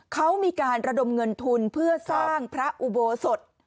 เขามีการระดมเงินทุนเพื่อสร้างพระอุโบสถ